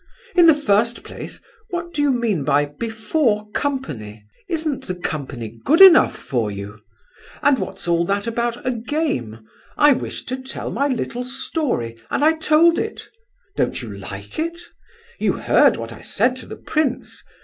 In the first place, what do you mean by 'before company'? Isn't the company good enough for you? And what's all that about 'a game'? I wished to tell my little story, and I told it! Don't you like it? You heard what I said to the prince?